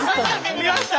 見ました。